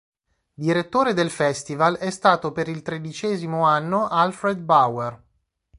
Direttore del festival è stato per il tredicesimo anno Alfred Bauer.